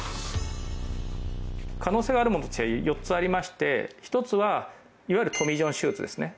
可能性があるものとして４つありまして１つは、いわゆるトミー・ジョン手術ですね。